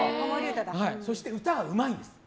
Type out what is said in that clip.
そして歌がうまいんです。